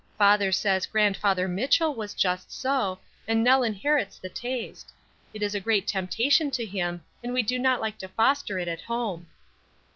Father says Grandfather Mitchell was just so, and Nell inherits the taste. It is a great temptation to him, and we do not like to foster it at home."